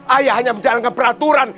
ayah hanya menjalankan peraturan